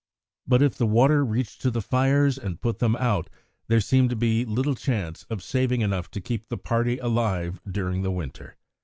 But if the water reached to the fires and put them out, there seemed to be little chance of saving enough to keep the party alive during the winter.